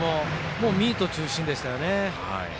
もうミート中心でしたよね。